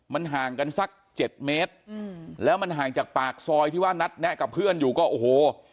มันห่างกันสักเจ็ดเมตรอืมแล้วมันห่างจากปากซอยที่ว่านัดแนะกับเพื่อนอยู่ก็โอ้โห